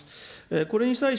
これに際し、